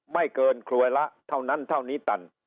ไม่เกินครัวละเท่านั้นเท่านี้ตัน